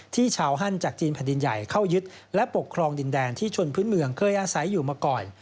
ที่ชาวฮั่นจากจีนแผ่นดินใหญ่เข้ายึดและปกครองดินแดนที่ชนพื้นเมืองเคยอาศัยอยู่มาก่อน